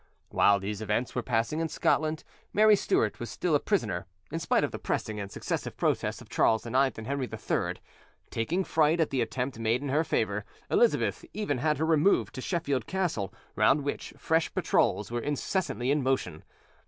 While these events were passing in Scotland, Mary Stuart was still a prisoner, in spite of the pressing and successive protests of Charles IX and Henry III. Taking fright at the attempt made in her favour, Elizabeth even had her removed to Sheffield Castle, round which fresh patrols were incessantly in motion.